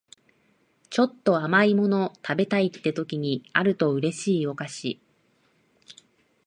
ちょっと甘い物食べたいって時にあると嬉しいお菓子